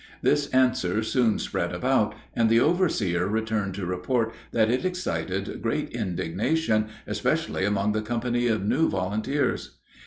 This answer soon spread about, and the overseer returned to report that it excited great indignation, especially among the company of new volunteers.